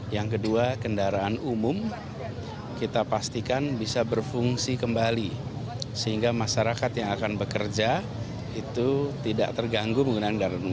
yang kedua kendaraan umum kita pastikan bisa berfungsi kembali sehingga masyarakat yang akan bekerja itu tidak terganggu menggunakan kendaraan umum